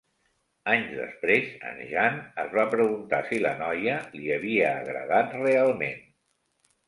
Anys després, en Jean es va preguntar si la noia li havia agradat realment.